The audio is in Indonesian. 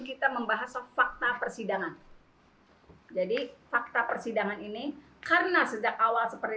kita membahas fakta persidangan jadi fakta persidangan ini karena sejak awal seperti